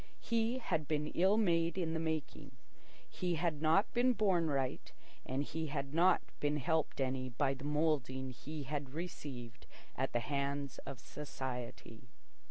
He had been ill made in the making. He had not been born right, and he had not been helped any by the moulding he had received at the hands of society.